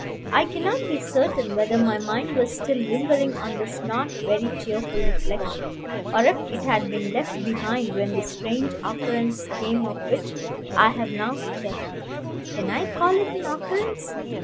I cannot be certain whether my mind was still lingering on this not very cheerful reflection, or if it had been left behind, when the strange occurrence came of which I have now to tell. Can I call it an occurrence?